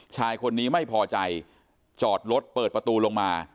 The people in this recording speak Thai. ชายคนนี้ไม่พอใจจอดรถเปิดประตูลงมา